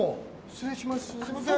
失礼します。